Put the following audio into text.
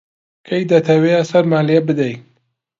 کەی دەتەوێ سەرمان لێ بدەی؟